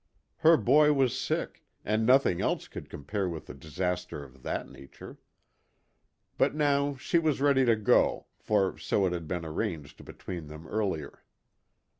Her boy was sick, and nothing else could compare with a disaster of that nature. But now she was ready to go, for so it had been arranged between them earlier.